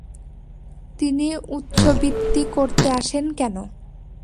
উনি উঞ্ছবৃত্তি করতে আসেন কেন?